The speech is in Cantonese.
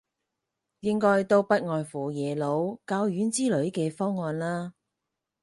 應該都不外乎耶魯、教院之類嘅方案啦